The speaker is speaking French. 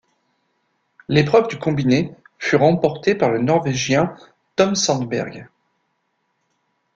L'épreuve de combiné fut remportée par le Norvégien Tom Sandberg.